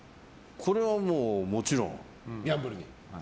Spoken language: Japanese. これはもうもちろん。